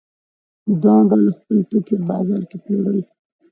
دواړو ډلو خپل توکي په بازار کې پلورل.